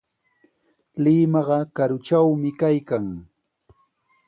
Limaqa karutrawmi kaykan.